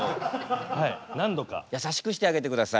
優しくしてあげてください。